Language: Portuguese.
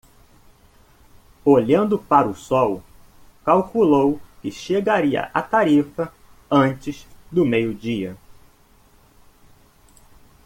Olhando para o sol, calculou que chegaria a Tarifa antes do meio-dia.